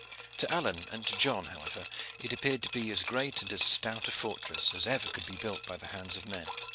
To Alleyne and to John, however, it appeared to be as great and as stout a fortress as could be built by the hands of man.